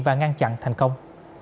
và ngăn chặn thành công